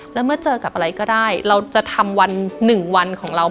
แล้วเมื่อเจอกับอะไรก็ได้เราจะทำวันหนึ่งวันของเรา